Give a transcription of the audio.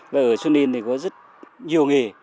và ở xuân yên thì có rất nhiều nghề